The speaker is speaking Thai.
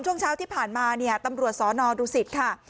ช่วงเช้าที่ผ่านมาตำรวจสนดุศิษฐ์ค่ะ